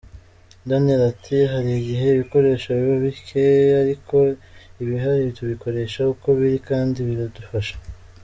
Daniel ati” Hari igihe ibikoresho biba bike ariko ibihari tubikoresha uko biri kandi biradufasha.